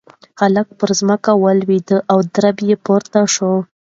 هلک په ځمکه ولوېد او درب یې پورته شو.